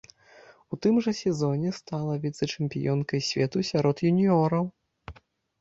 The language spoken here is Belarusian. У тым жа сезоне стала віцэ-чэмпіёнкай свету сярод юніёраў.